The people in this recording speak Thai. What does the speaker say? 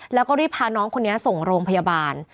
แล้วก็รีบพาน้องคนนี้ส่งโรงพยาบาล